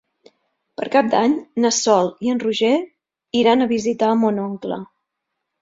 Per Cap d'Any na Sol i en Roger iran a visitar mon oncle.